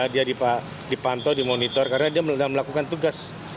dia dipantau dimonitor karena dia melakukan tugas